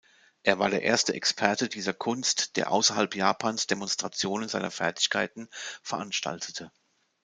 Er war der erste Experte dieser Kunst, der außerhalb Japans Demonstrationen seiner Fertigkeiten veranstaltete.